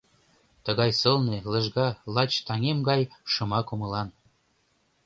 Тыгай сылне, лыжга, лач таҥем гай шыма кумылан.